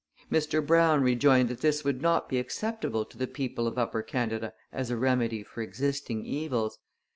Mr Brown rejoined that this would not be acceptable to the people of Upper Canada as a remedy for existing evils.